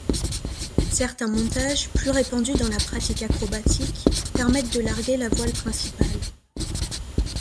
Certains montages, plus répandus dans la pratique acrobatique, permettent de larguer la voile principale.